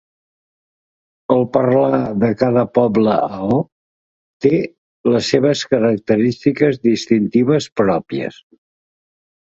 El parlar de cada poble Ao té les seves característiques distintives pròpies.